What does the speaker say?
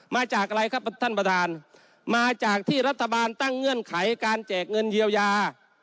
มาจากอะไรครับท่านประธานมาจากที่รัฐบาลตั้งเงื่อนไขการแจกเงินเยียวยา